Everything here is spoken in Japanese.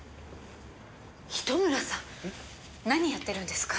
糸村さん何やってるんですか？